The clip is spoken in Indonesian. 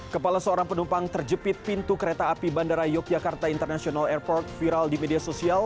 kepala seorang penumpang terjepit pintu kereta api bandara yogyakarta international airport viral di media sosial